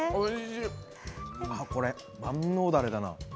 これ、万能だれだな。